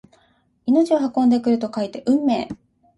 命を運んでくると書いて運命！